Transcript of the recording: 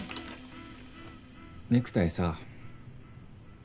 ネクタイさ。